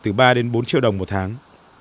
từ ba đến bốn triệu đồng một tháng